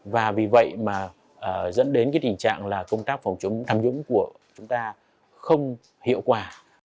và vì vậy mà dẫn đến cái tình trạng là công tác phòng chống tham nhũng của chúng ta không hiệu quả